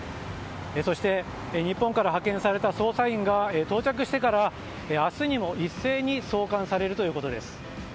そして日本から派遣された捜査員が到着してから明日にも一斉に送還されるということです。